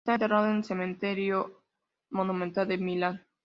Está enterrado en el Cementerio Monumental de Milán.